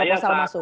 kalau pasal masuk